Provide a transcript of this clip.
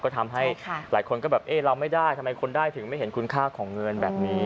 ก็ทำให้หลายคนก็แบบเอ๊ะเราไม่ได้ทำไมคนได้ถึงไม่เห็นคุณค่าของเงินแบบนี้